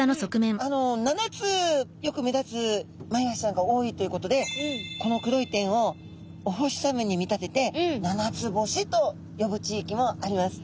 あの７つよく目立つマイワシちゃんが多いということでこの黒い点をお星さまに見立てて七つ星と呼ぶ地域もあります。